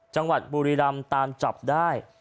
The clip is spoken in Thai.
จังหวัดบุรีรำตามจับได้